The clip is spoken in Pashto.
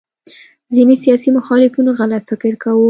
ځینې سیاسي مخالفینو غلط فکر کاوه